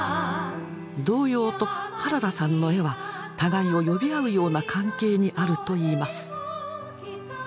童謡と原田さんの絵は互いを呼び合うような関係にあるといいます。